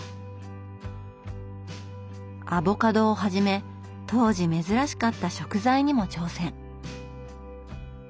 アボカドをはじめ当時珍しかった食材にも挑戦。